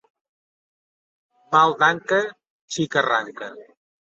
Mal d'anca, xica ranca.